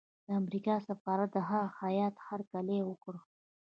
د امریکا سفارت د هغه هیات هرکلی وکړ.